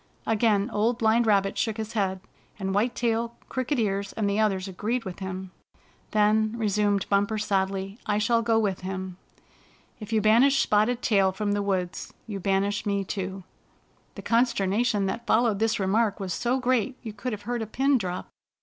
Again Old Blind Rabbit shook his head, and White Tail, Crooked Ears and the others agreed with him. " Then," resumed Bumper sadly, " I shall go Spotted Tail Receives His Pimisiiment 91 with him. If you banish Spotted Tail from the woods you banish me too." The consternation that followed this remark was so great you could have heard a pin drop.